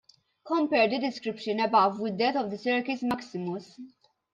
Compare the description above with that of the Circus Maximus.